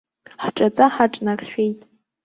Ҳҿаҵа ҳаҿнаршәеит.